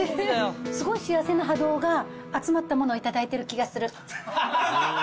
すごい幸せな波動が集まったものを頂いている気がする。